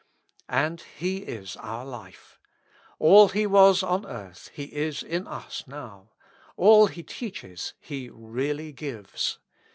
And He is our life : all He was on earth He is in us now ; all He teaches He really gives.